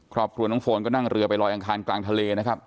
ครอบครัวน้องโฟนก็นั่งเรือไปลอยอังคารกลางทะเลนะครับ